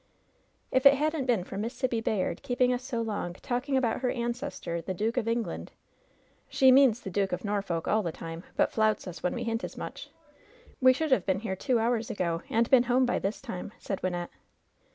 "If it hadn't been for Miss Sibby Bayard keeping us so long talking about her ancestor the *Duke of England' — she means the Duke of Norfolk all the time, but flouts us when we hint as much— we should have been here two hours ago, and been home by this time," said Wyn nette.